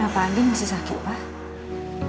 pak andi masih sakit pak